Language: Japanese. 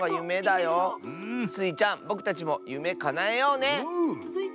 スイちゃんぼくたちもゆめかなえようね！